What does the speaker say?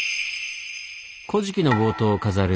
「古事記」の冒頭を飾る